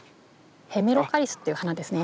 ヘメロカリスっていう花ですね。